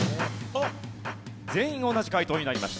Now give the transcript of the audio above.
全員同じ解答になりました。